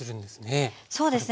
そうです。